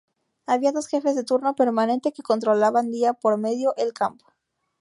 Había dos jefes de turno permanente que controlaban día por medio el "campo".